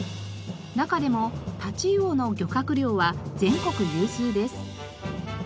中でもタチウオの漁獲量は全国有数です。